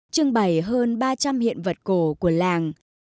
trưng bày hơn ba trăm linh hiện vật cổ của làng